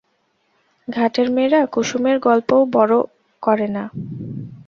ঘাটের মেয়েরা কুসুমের গল্পও বড়ো করে না।